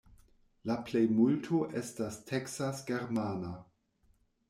La plejmulto estas teksas-germana.